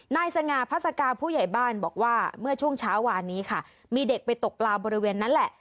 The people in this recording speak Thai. สง่าพัศกาผู้ใหญ่บ้านบอกว่าเมื่อช่วงเช้าวานนี้ค่ะมีเด็กไปตกปลาบริเวณนั้นแหละ